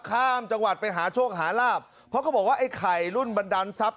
ข้ามจังหวัดไปหาโชคหาลาบเพราะเขาบอกว่าไอ้ไข่รุ่นบันดาลทรัพย